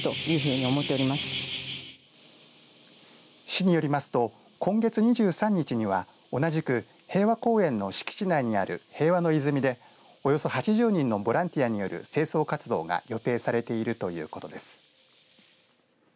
市によりますと今月２３日には同じく平和公園の敷地内にある平和の泉でおよそ８０人のボランティアによる清掃活動が予定されているということです。